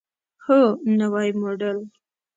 هو، نوی موډل